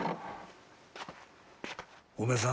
おめさん